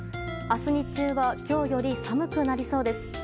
明日、日中は今日より寒くなりそうです。